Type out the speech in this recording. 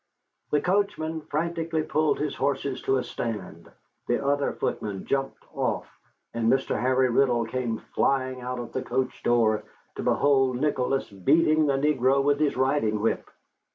The coachman frantically pulled his horses to a stand, the other footman jumped off, and Mr. Harry Riddle came flying out of the coach door, to behold Nicholas beating the negro with his riding whip.